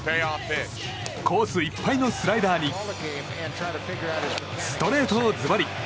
コースいっぱいのスライダーにストレートをズバリ。